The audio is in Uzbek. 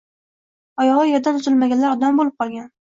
Oyogʻi yerdan uzilmaganlar odam boʻlib qolgan.